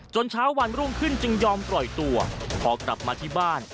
เช้าวันรุ่งขึ้นจึงยอมปล่อยตัวพอกลับมาที่บ้าน